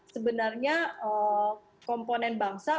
sebenarnya komponen bangsa